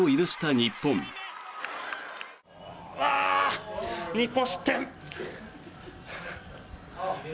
日本、失点！